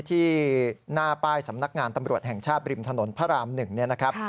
ที่หน้าป้ายสำนักงานตำรวจแห่งชาติริมถนนพระราม๑เนี่ยนะครับ